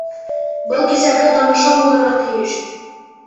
Был кисәге танышым булырға тейеш.